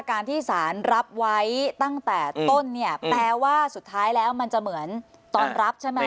การที่สารรับไว้ตั้งแต่ต้นเนี่ยแปลว่าสุดท้ายแล้วมันจะเหมือนตอนรับใช่ไหม